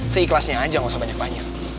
seikhlasnya aja nggak usah banyak banyak